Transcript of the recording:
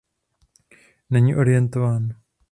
Není orientován.